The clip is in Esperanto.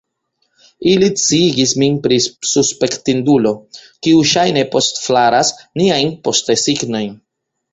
Ili sciigis min pri suspektindulo, kiu ŝajne postflaras niajn postesignojn.